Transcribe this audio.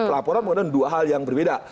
laporan mengenai dua hal yang berbeda